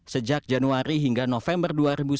sejak januari hingga november dua ribu sembilan belas